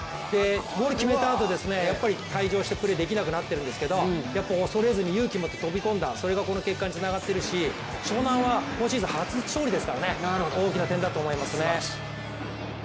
ゴール決めたあと、退場してプレーができなくなってるんですけど恐れずに勇気を持って、飛び込んだそれがこの結果につながってますし湘南は今シーズン、初勝利ですから大きな点だと思います。